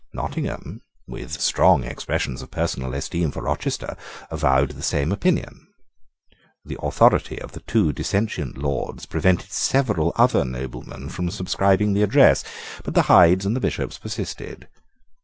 Nottingham, with strong expressions of personal esteem for Rochester, avowed the same opinion. The authority of the two dissentient Lords prevented several other noblemen from subscribing the address but the Hydes and the Bishops persisted.